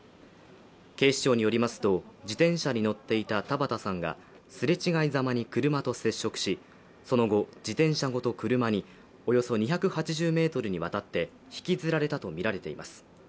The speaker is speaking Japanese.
警視庁によりますと自転車に乗っていた田畑さんがすれ違いざまに車と接触しその後、自転車ごと車におよそ２８０ｍにわたって引きずられたとみられています。